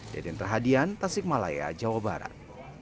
deden terhadian tasikmalaya jawa barat